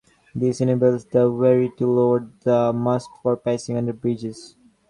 This enables the wherry to lower the mast for passing under bridges.